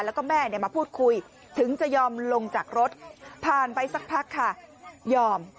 แล้วก็แม่มาพูดคุยถึงจะยอมลงจากรถผ่านไปสักพักค่ะยอม